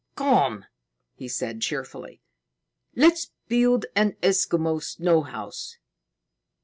"Come!" he said cheerfully. "Let's build an Eskimo snow house.